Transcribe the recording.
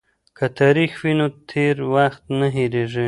که تاریخ وي نو تیر وخت نه هیریږي.